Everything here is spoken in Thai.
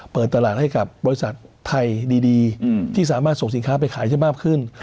เปิดตลาดให้กับบริษัทไทยดีที่สามารถส่งสินค้าไปขายได้มากขึ้น